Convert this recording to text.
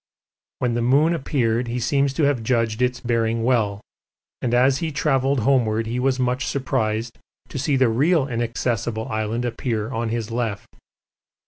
When the moon appeared he seems to have judged its bearing well, and as he travelled homeward he was much surprised to see the real Inaccessible Island appear on his left.